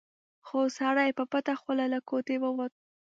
خو سړی په پټه خوله له کوټې ووت.